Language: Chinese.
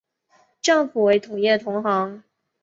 丈夫为同业同行。